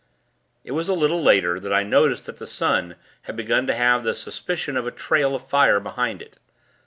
It was a little later, that I noticed that the sun had begun to have the suspicion of a trail of fire behind it.